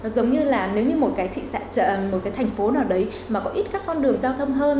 giống như là nếu như một cái thành phố nào đấy mà có ít các con đường giao thông hơn